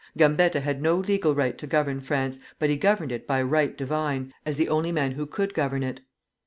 Gambetta had no legal right to govern France, but he governed it by right divine, as the only man who could govern it.